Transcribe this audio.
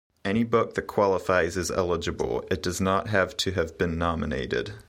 Any book that qualifies is eligible; it does not have to have been nominated.